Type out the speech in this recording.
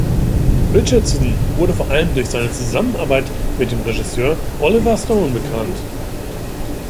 Richardson wurde vor allem durch seine Zusammenarbeit mit dem Regisseur Oliver Stone bekannt.